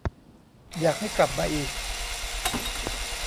อยากให้กลับมาอีก